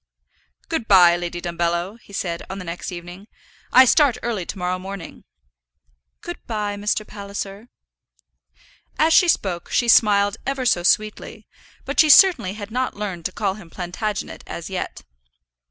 "Good by, Lady Dumbello," he said, on the next evening. "I start early to morrow morning." "Good by, Mr. Palliser." As she spoke she smiled ever so sweetly, but she certainly had not learned to call him Plantagenet as yet.